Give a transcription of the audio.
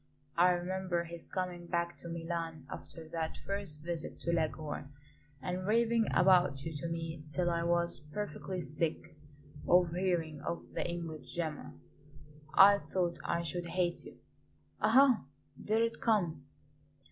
I remember his coming back to Milan after that first visit to Leghorn and raving about you to me till I was perfectly sick of hearing of the English Gemma. I thought I should hate you. Ah! there it comes!"